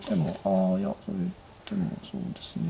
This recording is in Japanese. あいやそういう手もそうですね